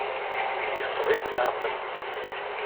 Yeffeɣ-it leεqel.